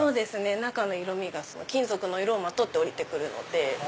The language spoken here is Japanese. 中の色みが金属の色をまとって降りて来るので。